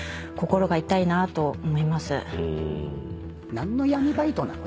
何の闇バイトなの？